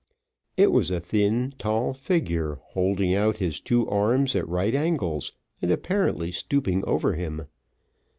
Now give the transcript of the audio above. It was a thin, tall figure, holding out his two arms at right angles, and apparently stooping over him.